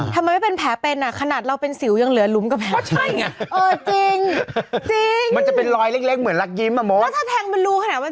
ถ้ามันไม่เป็นแผลเป็นขนาดเราเป็นสิวยังเหลือลุ้มก็แผลเป็น